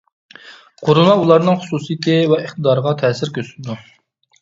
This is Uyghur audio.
قۇرۇلما ئۇلارنىڭ خۇسۇسىيىتى ۋە ئىقتىدارىغا تەسىر كۆرسىتىدۇ.